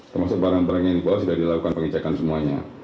termasuk barang barang yang dibawa sudah dilakukan pengecekan semuanya